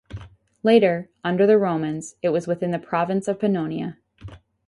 Later, under the Romans, it was within the province of Pannonia.